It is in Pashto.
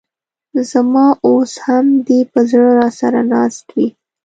ز ما اوس هم دي په زړه راسره ناست وې